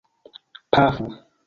Pafu!